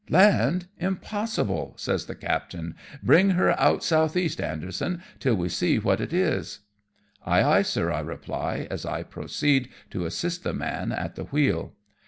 " Land, impossible," says the captain ;" bring her out south east, Anderson, till we see what it is." " Ay, ay, sir," I reply, as I proceed to assist the man at the wheel.